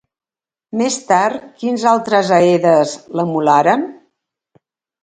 Més tard, quins altres aedes l'emularen?